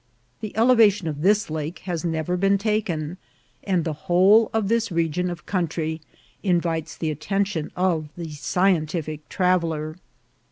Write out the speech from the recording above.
The elevation of this lake has never been taken, and the whole of this region of country invites the attention of the scientific traveller.